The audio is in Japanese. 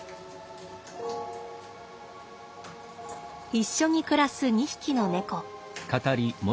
一緒に暮らす２匹の猫。